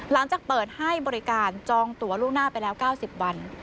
หลังจากเปิดให้บริการจองตัวล่วงหน้าไปแล้ว๙๐วัน